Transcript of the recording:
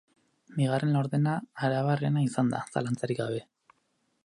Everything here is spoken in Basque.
Bigarren laurdena arabarrena izan da, zalantzarik gabe.